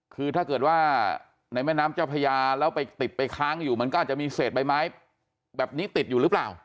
คือถ้าเกิดว่าในแม่น้ำเจ้าพญาแล้วไปติดไปค้างอยู่มันก็อาจจะมีเศษใบไม้แบบนี้ติดอยู่หรือเปล่า